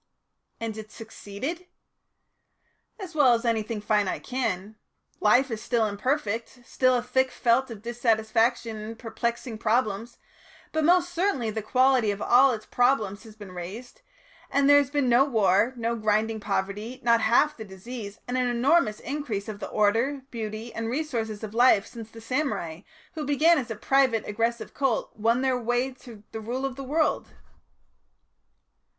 "And it has succeeded?" "As well as anything finite can. Life is still imperfect, still a thick felt of dissatisfactions and perplexing problems, but most certainly the quality of all its problems has been raised, and there has been no war, no grinding poverty, not half the disease, and an enormous increase of the order, beauty, and resources of life since the samurai, who began as a private aggressive cult, won their way to the rule of the world."